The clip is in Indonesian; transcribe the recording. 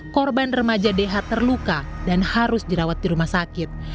korban remaja dh terluka dan harus dirawat di rumah sakit